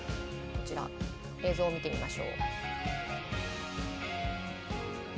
こちら映像を見てみましょう。